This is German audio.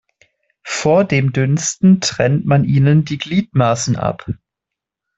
Vor dem Dünsten trennt man ihnen die Gliedmaßen ab.